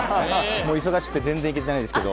忙しくて全然行けてないですけど。